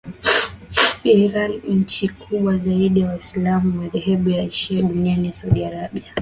Iran nchi kubwa zaidi ya waislamu wa madhehebu ya shia duniani na Saudi Arabia